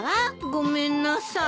ごめんなさい。